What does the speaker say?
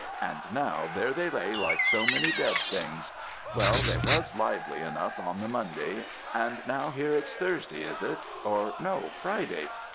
And now there they lay like so many dead things. Well, they was lively enough on the Monday, and now here's Thursday, is it, or no, Friday.